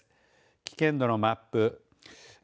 危険度のマップです。